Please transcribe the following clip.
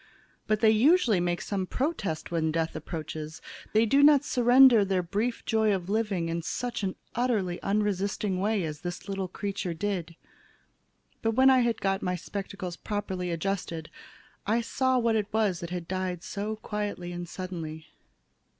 But they usually make some protest when Death approaches. They do not surrender their brief joy of living in such utterly unresisting way as this little creature did. But when I had got my spectacles properly adjusted, I saw what it was that had died so quietly and suddenly.